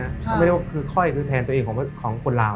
ใช่ไม่ล่ะว่าคือข้อยแทนตัวเองของคนราว